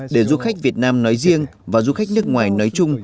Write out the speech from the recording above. để du khách việt nam nói riêng và du khách nước ngoài nói chung